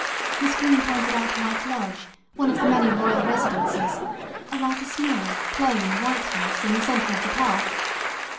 Miss Green pointed out White Lodge, one of the many royal residences; a rather small, plain, white house in the centre of the park.